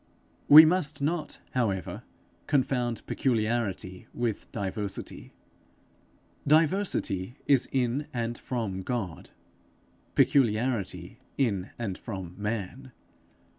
We must not however confound peculiarity with diversity. Diversity is in and from God; peculiarity in and from man.